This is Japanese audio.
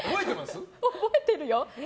覚えてるよ。